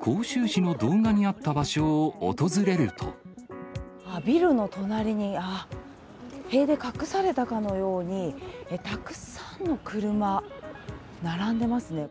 杭州市の動画にあった場所をビルの隣に、ああ、塀で隠されたかのように、たくさんの車、並んでますね。